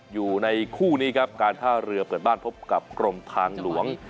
อยู่ในคู่นี้ครับการท่าเรือเปิดบ้านพบกับกรมทางหลวง